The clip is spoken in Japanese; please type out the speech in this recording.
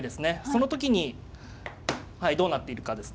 その時にどうなっているかですね。